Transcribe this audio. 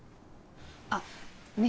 あっねえ